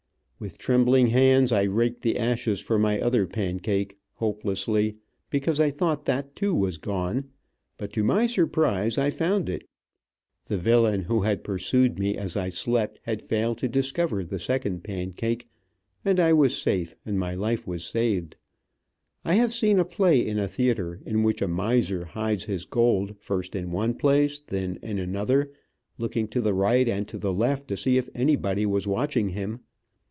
With trembling hands I raked the ashes for my other pancake, hopelessly, because I thought that, too, was gone, but to my surprise I found it. The villain who had pursued me as I slept, had failed to discover the second pancake, and I was safe, and my life was saved. I have seen a play in a theater in which a miser hides his gold, first in one place, then in another, looking to the right and to the left to see if anybody was watching him.